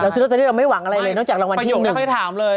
เราซื้อรถตะเลเรามันไม่หวังอะไรเลยนอกจากรางวัลที่หนึ่ง